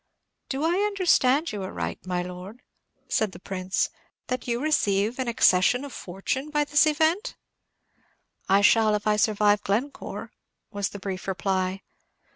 "Do I understand you aright, my Lord," said the Prince, "that you receive an accession of fortune by this event?" "I shall, if I survive Glencore," was the brief reply.